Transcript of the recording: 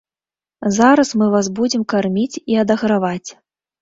Зараз мы вас будзем карміць і адаграваць.